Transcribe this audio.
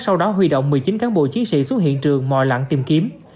sau đó huy động một mươi chín cán bộ chiến sĩ xuống hiện trường mò lặn tìm kiếm